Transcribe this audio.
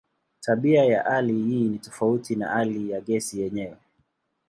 Tabia ya hali hii ni tofauti na hali ya gesi yenyewe.